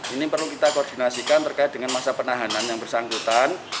ini perlu kita koordinasikan terkait dengan masa penahanan yang bersangkutan